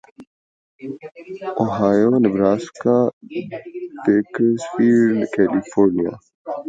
اوہہا Nebraska Bakersfield California